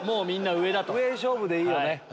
上勝負でいいよね。